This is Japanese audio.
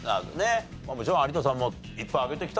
もちろん有田さんもいっぱいあげてきたでしょ今まで。